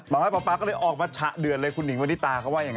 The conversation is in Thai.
นางร้ายปอปาร์ก็เลยออกมาฉะเดือนมีหัวตาแบบนึง